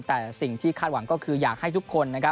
แต่สิ่งที่คาดหวังก็คืออยากให้ทุกคนนะครับ